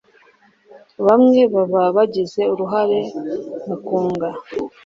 bamwe baba bagize uruhare mu kunga